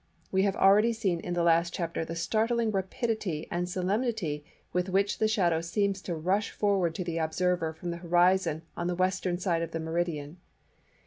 We have already seen in the last chapter the startling rapidity and solemnity with which the shadow seems to rush forward to the observer from the horizon on the western side of the Meridian.